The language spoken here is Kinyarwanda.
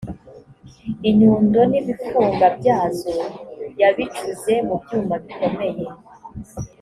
inyundo n ibifunga byazo yabicuze mubyuma bikomeye